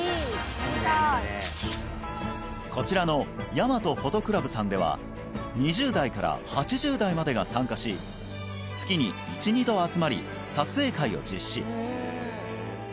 こちらの大和フォトクラブさんでは２０代から８０代までが参加し月に１２度集まり撮影会を実施